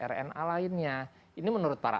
rna lainnya ini menurut para